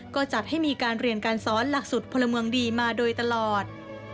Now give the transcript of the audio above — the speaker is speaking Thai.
ก็จัดให้มีการเรียนการสอนหลักสุดพลเมืองดีมาโดยตลอด